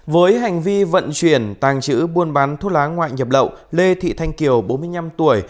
với hành vi vận chuyển tàng chữ buôn bán thuốc lá ngoại nhập lậu lê thị thanh kiều bốn mươi năm tuổi